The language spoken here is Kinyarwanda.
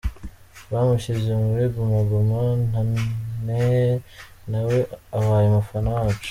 Bamushyize muri Guma Guma none na we abaye umufana wacu.